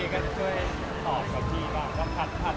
อีกคนหนึ่งละครับลูก